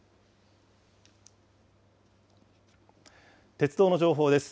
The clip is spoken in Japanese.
鉄道の情報です。